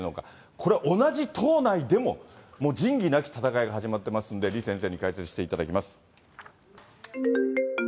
これ、同じ党内でも、もう仁義なき戦いが始まってますんで、李先生に解説していただきます。